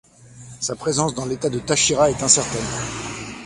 Sa présence dans l'État de Táchira est incertaine.